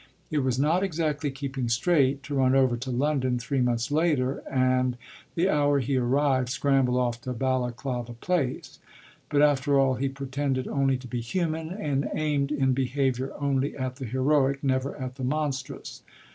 It was not exactly keeping straight to run over to London three months later and, the hour he arrived, scramble off to Balaklava Place; but after all he pretended only to be human and aimed in behaviour only at the heroic, never at the monstrous.